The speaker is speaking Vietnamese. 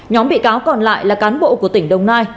nhóm bị cáo còn lại là cán bộ của tỉnh đồng nai